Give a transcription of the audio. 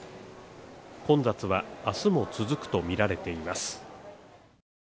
混雑は明日も続くとみられています。